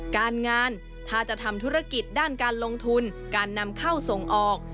การงานถ้าจะทำธุรกิจด้านการลงทุนการนำเข้าส่งออก